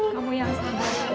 kamu yang sabar